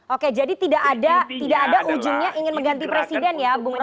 oke jadi tidak ada ujungnya ingin mengganti presiden ya bu rocky ya